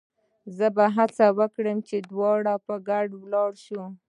زه به هڅه وکړم چې دواړه په ګډه ولاړ شو.